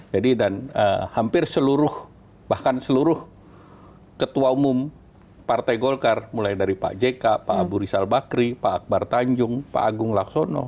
jadi dan hampir seluruh bahkan seluruh ketua umum partai golkar mulai dari pak jeka pak abu risal bakri pak akbar tanjung pak agung laksono